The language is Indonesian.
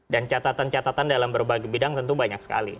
dan catatan catatan dalam berbagai bidang tentu banyak sekali